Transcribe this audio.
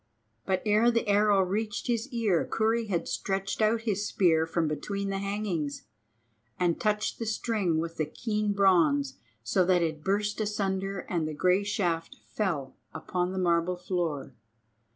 But ere the arrow reached his ear Kurri had stretched out his spear from between the hangings and touched the string with the keen bronze, so that it burst asunder and the grey shaft fell upon the marble floor.